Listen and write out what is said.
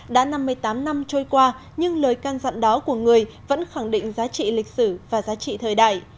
đã năm mươi tám năm trôi qua nhưng lời can dặn đó của người vẫn khẳng định giá trị lịch sử và giá trị thời đại